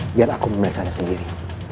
biar aku memilih sana sendiri